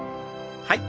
はい。